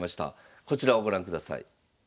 こちらをご覧ください。